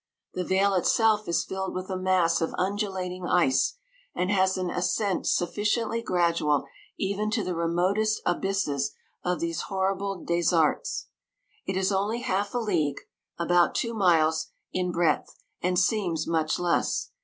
The vale itself is filled with a mass of undulating ice, and has an ascent sufficiently gradual even to the remotest abysses of these horrible desarts. It is only half a league (about two miles) in breadth, and seems much less.